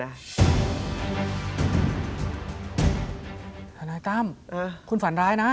ทนายตั้มคุณฝันร้ายนะ